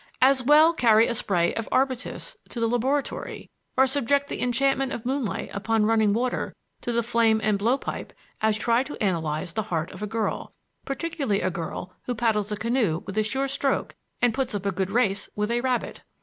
As well carry a spray of arbutus to the laboratory or subject the enchantment of moonlight upon running water to the flame and blow pipe as try to analyze the heart of a girl,—particularly a girl who paddles a canoe with a sure stroke and puts up a good race with a rabbit.